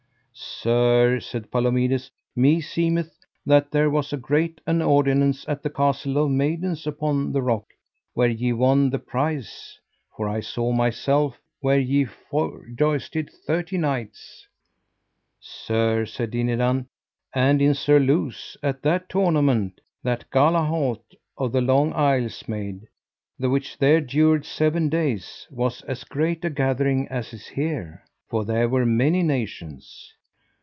Sir, said Palomides, meseemeth that there was as great an ordinance at the Castle of Maidens upon the rock, where ye won the prize, for I saw myself where ye forjousted thirty knights. Sir, said Dinadan, and in Surluse, at that tournament that Galahalt of the Long Isles made, the which there dured seven days, was as great a gathering as is here, for there were many nations.